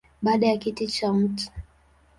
Baada ya kiti cha Mt.